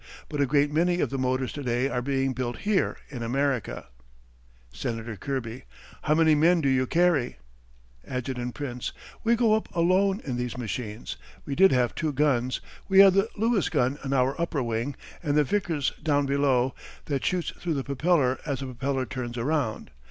But a great many of the motors to day are being built here in America. Senator Kirby: How many men do you carry? Adjt. Prince: We go up alone in these machines. We did have two guns. We had the Lewis gun on our upper wing and the Vickers down below, that shoots through the propeller as the propeller turns around.